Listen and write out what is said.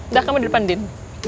dah kamu di depan din